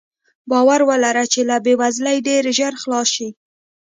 باور ولره چې له بې وزلۍ ډېر ژر خلاص شې.